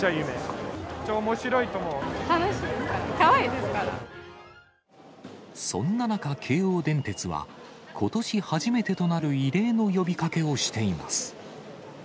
かわいいですかそんな中、京王電鉄は、ことし初めてとなる異例の呼びかけをしています。